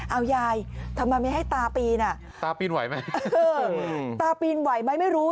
เอายายทำไมไม่ให้ตาปีนอ่ะตาปีนไหวไหมเออตาปีนไหวไหมไม่รู้